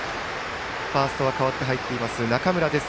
ファーストは代わって入っています中村です。